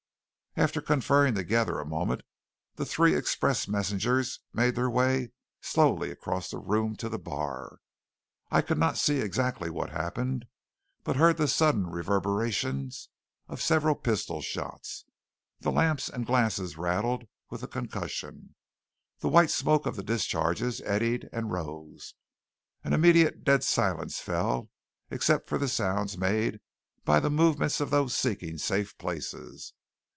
After conferring together a moment the three express messengers made their way slowly across the room to the bar. I could not see exactly what happened, but heard the sudden reverberations of several pistol shots. The lamps and glasses rattled with the concussion, the white smoke of the discharges eddied and rose. An immediate dead silence fell, except for the sounds made by the movements of those seeking safe places.